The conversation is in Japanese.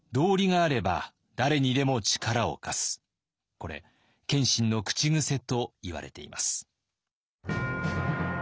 これ謙信の口癖といわれています。